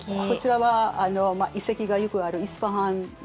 こちらは遺跡がよくあるイスパハン。